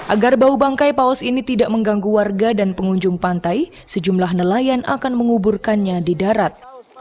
agar bau bangkai paus ini tidak mengganggu warga dan pengunjung pantai sejumlah nelayan akan menguburkannya di darat